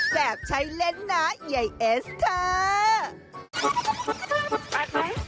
แบบใช้เล่นนะยายเอสค่ะ